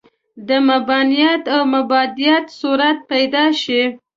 د مباینت او مباعدت صورت پیدا شي.